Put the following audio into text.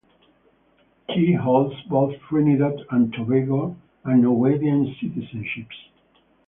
She holds both Trinidad and Tobago and Norwegian citizenships.